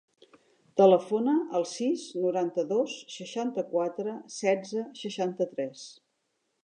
Telefona al sis, noranta-dos, seixanta-quatre, setze, seixanta-tres.